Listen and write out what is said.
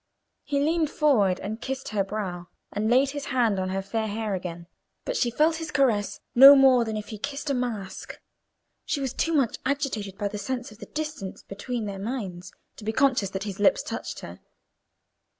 He leaned forward and kissed her brow, and laid his hand on her fair hair again; but she felt his caress no more than if he had kissed a mask. She was too much agitated by the sense of the distance between their minds to be conscious that his lips touched her.